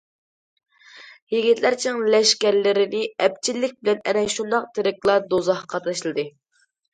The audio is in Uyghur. يىگىتلەر چىڭ لەشكەرلىرىنى ئەپچىللىك بىلەن ئەنە شۇنداق تىرىكلا دوزاخقا تاشلىدى.